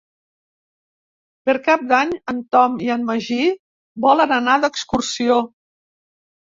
Per Cap d'Any en Tom i en Magí volen anar d'excursió.